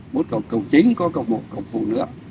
bốn cổng cổng chính có cổng một cổng phụ nữa